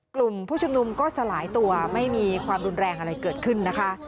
กลุ่มผู้ชุมนุมก็สลายตัวไม่มีความรุนแรงอะไรเกิดขึ้นนะคะ